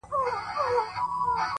نیک اخلاق تلپاتې پانګه ده